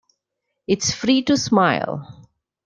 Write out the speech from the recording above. It's free to smile.